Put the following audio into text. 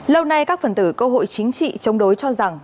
lâu nay các phần tử cơ hội chính trị chống đối cho rằng